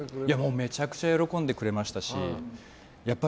めちゃくちゃ喜んでくれましたし。